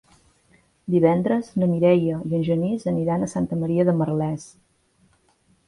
Divendres na Mireia i en Genís aniran a Santa Maria de Merlès.